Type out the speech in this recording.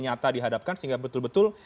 nyata dihadapkan sehingga betul betul